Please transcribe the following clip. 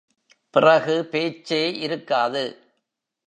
பிறகு பேச்சே இருக்காது.